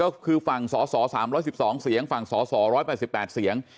ก็คือฝั่งสอสอสามร้อยสิบสองเสียงฝั่งสอสอร้อยประสิบแปดเสียง